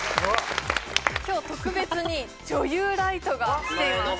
今日特別に女優ライトが来ています